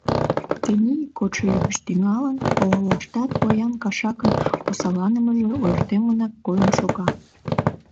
Тений, кодшо ий гыч тӱҥалын, олалаштат поян кашакын осалланымыже ойыртемынак койын шога.